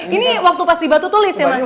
ini waktu pas dibatu tulis ya mas ya